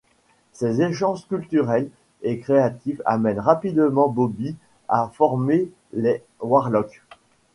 Ces échanges culturels et créatifs amènent rapidement Bobby à former les Warlocks.